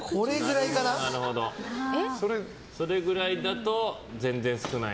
それぐらいだと全然少ない。